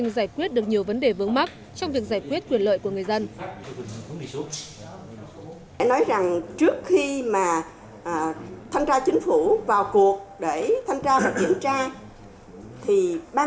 giải quyết được nhiều vấn đề vướng mắt trong việc giải quyết quyền lợi của người dân